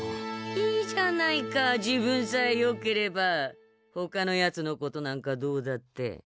いいじゃないか自分さえよければほかのやつのことなんかどうだって。